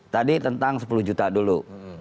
tadi tentang sepuluh juta dulu